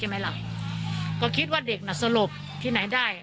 ไม่หลับก็คิดว่าเด็กน่ะสลบที่ไหนได้